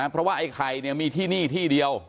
เพราะว่าไอ้ไข่มีที่นี่ที่เดียว